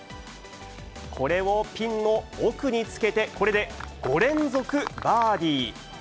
これをピンの奥につけて、これで５連続バーディー。